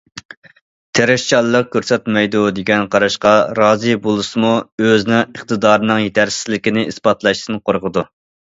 تىرىشچانلىق كۆرسەتمەيدۇ دېگەن قاراشقا رازى بولسىمۇ، ئۆزىنىڭ ئىقتىدارنىڭ يېتەرسىزلىكىنى ئىسپاتلاشتىن قورقىدۇ.